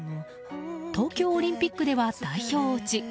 東京オリンピックでは代表落ち。